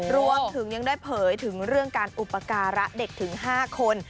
รวมถึงยังได้เผยถึงเรื่องการอุปการะเด็กถึง๕คน